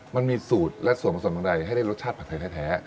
มันมีสูตรและส่วนผสมอย่างไรให้ได้รสชาติผัดไทยแท้